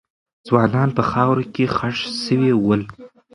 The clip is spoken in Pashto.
ځوانان په خاورو کې خښ سوي ول.